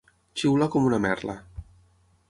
Xiular com una merla.